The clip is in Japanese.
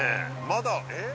まだえっ？